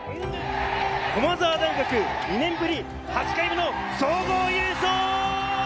駒澤大学２年ぶり８回目の総合優勝。